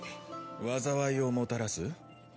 災いをもたらす？